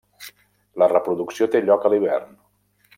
La reproducció té lloc a l'hivern.